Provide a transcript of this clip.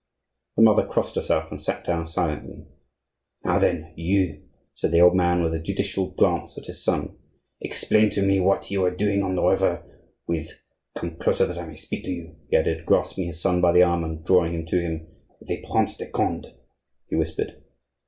The mother crossed herself, and sat down silently. "Now, then, you," said the old man, with a judicial glance at his son, "explain to me what you were doing on the river with—come closer, that I may speak to you," he added, grasping his son by the arm, and drawing him to him—"with the Prince de Conde," he whispered.